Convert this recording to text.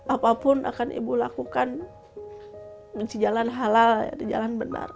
apapun akan ibu lakukan mencari jalan halal jalan benar